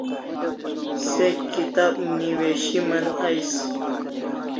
Se kitab newishiman ais